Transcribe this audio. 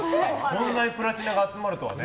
こんなにプラチナが集まるとはね。